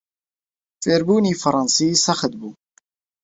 فێربوونی فەڕەنسی سەخت بوو.